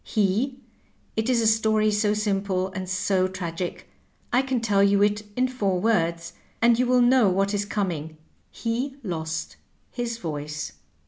He — ^it is a story so simple and so tragic, I can tell you it in four words, and you wiU know what is coming — ^he lost his voice.''